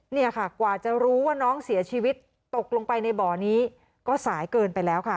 เนี่ยค่ะกว่าจะรู้ว่าน้องเสียชีวิตตกลงไปในบ่อนี้ก็สายเกินไปแล้วค่ะ